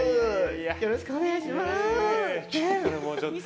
よろしくお願いします。